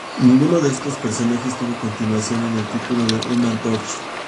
Ninguno de estos personajes tuvo continuación en el título de "Human Torch.